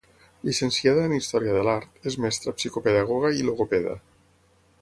Llicenciada en Història de l'art, és mestra, psicopedagoga i logopeda.